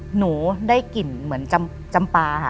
หนูได้กลิ่นเหมือนจำปลาค่ะ